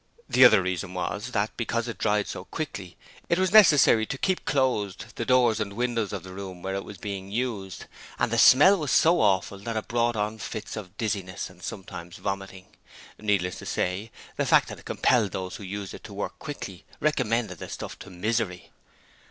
The other reason was that, because it dried so quickly, it was necessary to keep closed the doors and windows of the room where it was being used, and the smell was so awful that it brought on fits of dizziness and sometimes vomiting. Needless to say, the fact that it compelled those who used it to work quickly recommended the stuff to Misery.